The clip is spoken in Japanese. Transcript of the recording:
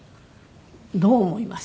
どう思います？